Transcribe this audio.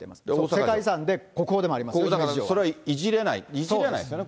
世界遺産で国宝でもあります、それはいじれないですね、